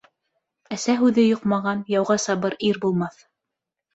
Әсә һүҙе йоҡмаған -Яуға сабыр ир булмаҫ.